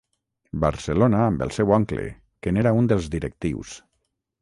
Barcelona amb el seu oncle, que n'era un dels directius.